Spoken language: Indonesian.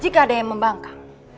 jika ada yang membangkang